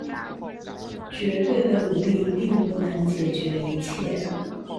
绝对的武力并不能解决一切。